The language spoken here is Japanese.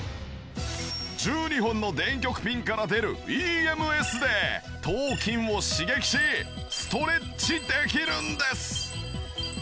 １２本の電極ピンから出るＥＭＳで頭筋を刺激しストレッチできるんです。